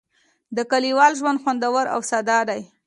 د کلیوال ژوند خوندور او ساده دی.